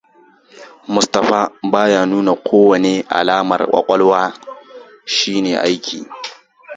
Mustapha baya nuna kowane alamar kwakwalwa shi na aiki.